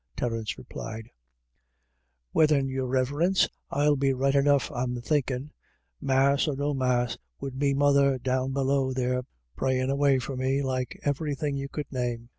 Terence replied :" Whethen, your Riverince, I'll be right enough I'm thinking Mass or no Mass, wid me mother down below there prayin' away for me like iverything you could name.